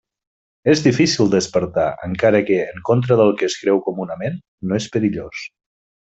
És difícil despertar -encara que, en contra del que es creu comunament, no és perillós.